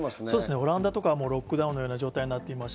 オランダとかロックダウンのような状態になってます。